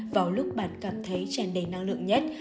vào lúc bạn cảm thấy tràn đầy năng lượng nhất